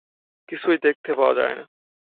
কিছুই দেখতে পাওয়া যায় না।